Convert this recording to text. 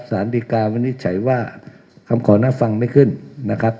สารดีกาวินิจฉัยว่าคำขอน่าฟังไม่ขึ้นนะครับ